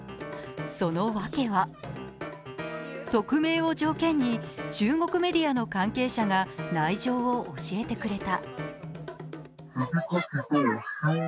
その訳は匿名を条件に中国メディアの関係者が内情を教えてくれた。